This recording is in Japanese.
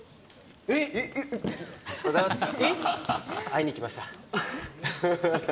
会いに来ました。